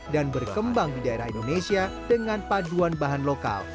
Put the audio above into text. dan berkembang di daerah indonesia dengan paduan bahan lokal